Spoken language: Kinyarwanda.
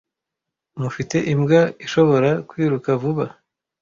Mufite imbwa ishobora kwiruka vuba.